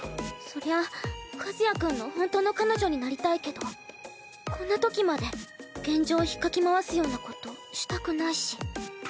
そりゃ和也君のほんとの彼女になりたいけどこんなときまで現状引っかき回すようなことしたくないし。